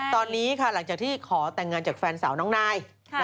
ตอนนี้ค่ะหลังจากที่ขอแต่งงานจากแฟนสาวน้องนาย